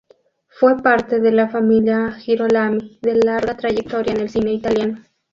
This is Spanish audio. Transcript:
Fue parte de la familia Girolami, de larga trayectoria en el cine italiano.